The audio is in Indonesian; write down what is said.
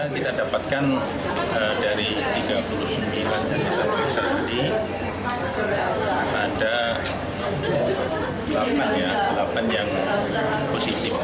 kita dapatkan dari tiga puluh sembilan penyelenggara ini ada delapan yang positif